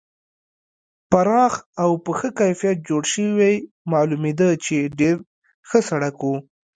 پراخ او په ښه کیفیت جوړ شوی معلومېده چې ډېر ښه سړک و.